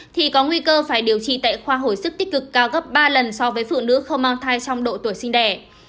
thì có nguy cơ phải điều trị tại khoa hồi sức tích cực cao gấp ba lần so với phụ nữ không mang thai trong độ tuổi sinh đẻ